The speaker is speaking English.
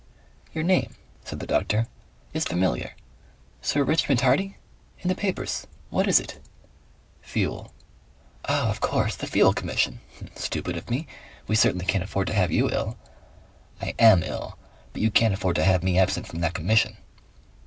"Your name," said the doctor, "is familiar. Sir Richmond Hardy? In the papers. What is it?" "Fuel." "Of course! The Fuel Commission. Stupid of me! We certainly can't afford to have you ill." "I AM ill. But you can't afford to have me absent from that Commission."